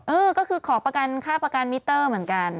เออก็คือขอประกันค่าประกันมิเตอร์เหมือนกัน